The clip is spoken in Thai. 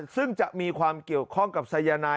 ซึ่งจะมีความเกี่ยวข้องกับสายนาย